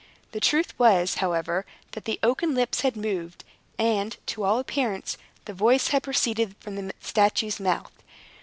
The truth was, however, that the oaken lips had moved, and, to all appearance, the voice had proceeded from the statue's mouth.